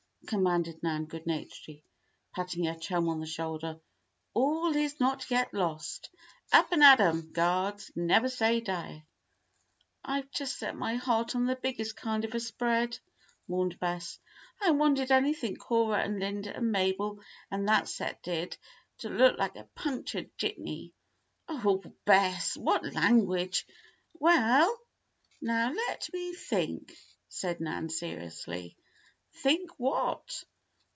commanded Nan, good naturedly patting her chum on the shoulder. "All is not yet lost! Up and at 'em, guards! Never say die!" "I'd just set my heart on the biggest kind of a spread," mourned Bess. "I wanted anything Cora, and Linda, and Mabel, and that set did, to look like a punctured jitney." "Oh, Bess! what language!" "We ell." "Now let me think," said Nan, seriously. "Think what?"